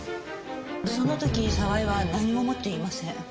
その時澤井は何も持っていません。